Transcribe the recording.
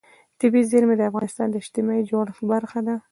طبیعي زیرمې د افغانستان د اجتماعي جوړښت برخه ده.